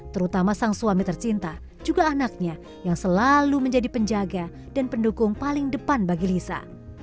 terutama sang suami tercinta juga anaknya yang selalu menjadi penjaga dan pendukung paling depan bagi lisa